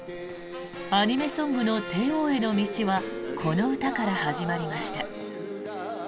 アニメソングの帝王への道はこの歌から始まりました。